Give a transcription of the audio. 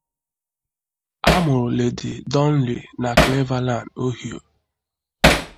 A mụrụ Lady Donli na Cleveland, Ohio.